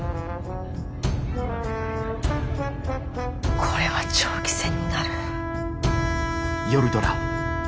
これは長期戦になる。